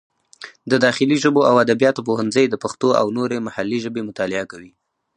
د داخلي ژبو او ادبیاتو پوهنځی د پښتو او نورې محلي ژبې مطالعه کوي.